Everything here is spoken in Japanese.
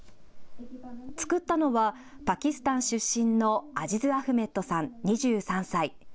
作ったのはパキスタン出身のアジズ・アフメッドさん、２３歳。